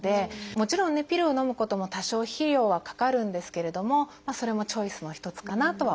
もちろんねピルをのむことも多少費用はかかるんですけれどもそれもチョイスの一つかなとは思います。